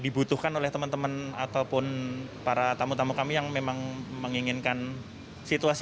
dibutuhkan oleh teman teman ataupun para tamu tamu kami yang memang menginginkan situasi